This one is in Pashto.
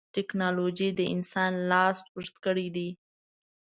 ټکنالوجي د انسان لاس اوږد کړی دی.